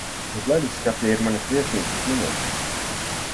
Uz ledusskapja ir manas viesnīcas numurs.